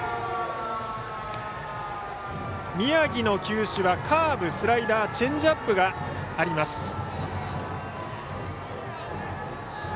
宮城の球種はカーブ、スライダーチェンジアップがあります。